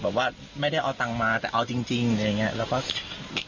แบบว่าไม่ได้เอาตังมาแต่เอาจริงอย่างนี้แล้วก็